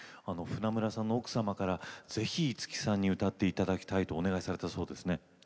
船村さんの奥様からぜひ五木さんに歌っていただきたいとお願いされたそうですね。